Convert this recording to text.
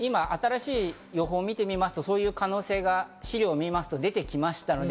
新しい予報を見てみると、そういう可能性が資料を見てみますと出てきました。